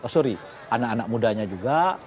sorry anak anak mudanya juga